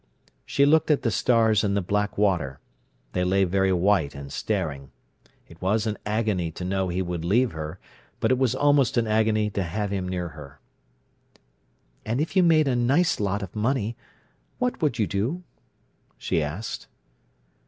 She looked at the stars in the black water. They lay very white and staring. It was an agony to know he would leave her, but it was almost an agony to have him near her. "And if you made a nice lot of money, what would you do?" she asked.